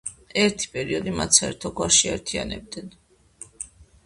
ერთი პერიოდი მათ საერთო გვარში აერთიანებდნენ.